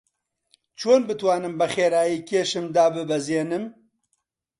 چۆن بتوانم بەخێرایی کێشم داببەزێنم؟